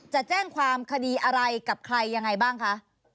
จะแจ้งความคดีอะไรกับใครยังไงบ้างคะ